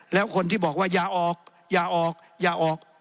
แล้วคนที่บอกว่าอย่าออกอย่าออกอย่าออก